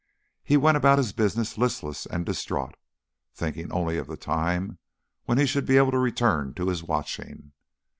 He went about his business listless and distraught, thinking only of the time when he should be able to return to his watching.